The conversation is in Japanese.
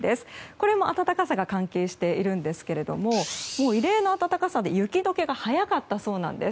これも暖かさが関係しているんですけど異例の暖かさで雪解けが早かったそうなんです。